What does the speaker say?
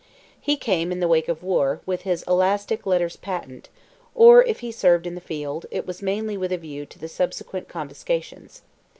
He came, in the wake of war, with his elastic "letters patent," or, if he served in the field, it was mainly with a view to the subsequent confiscations.